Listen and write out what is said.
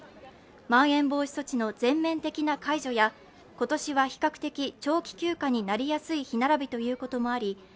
まん延防止措置の全面的な解除や今年は比較的長期休暇になりやすい日並びということもあり